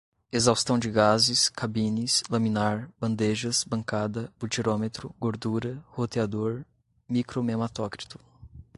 exaustão de gases, cabines, laminar, bandejas, bancada, butirômetro, gordura, roteador, micro-mematócrito